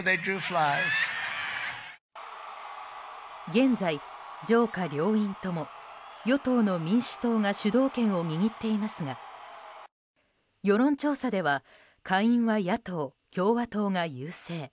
現在、上下両院とも与党の民主党が主導権を握っていますが世論調査では下院は野党・共和党が優勢。